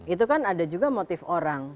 itu kan ada juga motif orang